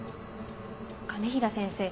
兼平先生